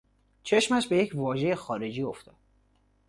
چشمش به یک واژهی خارجی افتاد.